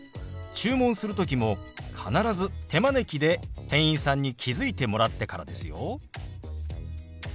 注文する時も必ず手招きで店員さんに気付いてもらってからですよ。